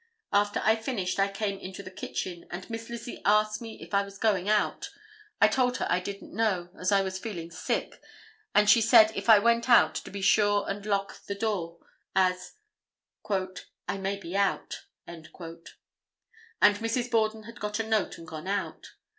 After I finished I came into the kitchen, and Miss Lizzie asked me if I was going out. I told her I didn't know, as I was feeling sick, and she said if I went out to be sure and lock the door, as "I may be out," and Mrs. Borden had got a note and gone out.